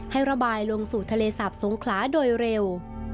ให้ระบายลงสู่ทะเลสาบสงขลาโดยเร็ว